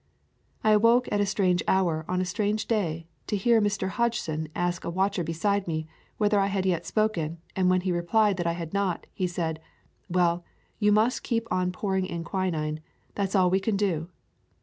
I awoke at a strange hour on a strange day to hear Mr. Hodgson ask a watcher beside me whether I had yet spoken, and when he replied that I had not, he said: "Well, you must keep on pouring in quinine. That's all we can do."